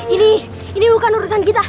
ini ini bukan urusan kita